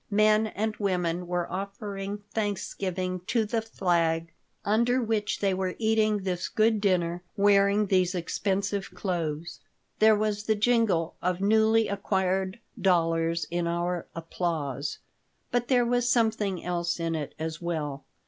Men and women were offering thanksgiving to the flag under which they were eating this good dinner, wearing these expensive clothes. There was the jingle of newly acquired dollars in our applause. But there was something else in it as well.